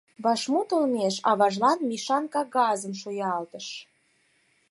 Вашмут олмеш аважлан Мишан кагазшым шуялтыш.